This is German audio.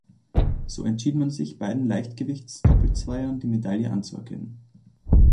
So entschied man sich beiden Leichtgewichts-Doppelzweiern die Medaille an zuerkennen.